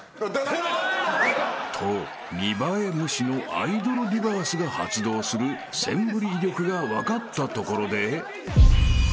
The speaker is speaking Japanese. ［と見栄え無視のアイドルリバースが発動するセンブリ威力が分かったところで］